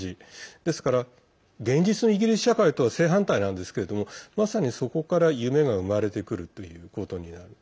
ですから現実のイギリス社会とは正反対なんですけれどもまさに、そこから夢が生まれてくるということになる。